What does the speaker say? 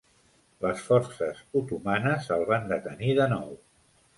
Les forces otomanes el van detenir de nou.